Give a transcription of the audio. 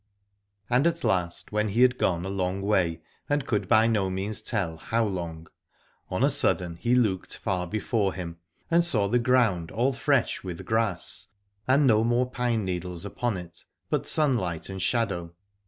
And at last when he had gone a long way and could by no means tell how long, on a sudden he looked far before him and saw the ground all fresh with grass, and no more pine needles upon it but sunlight and shadow.